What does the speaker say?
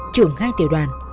trưởng hai triệu đoàn